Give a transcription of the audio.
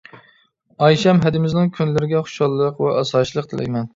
ئايشەم ھەدىمىزنىڭ كۈنلىرىگە خۇشاللىق ۋە ئاسايىشلىق تىلەيمەن!